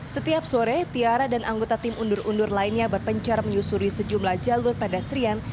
setiap sore tiara dan anggota tim undur undur lainnya berpencar menyusuri sejumlah jalur pedestrian